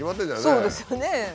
そうですよね。